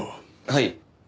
はい。